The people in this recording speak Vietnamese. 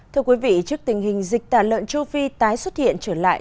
thưa quý vị trước tình hình dịch tả lợn châu phi tái xuất hiện trở lại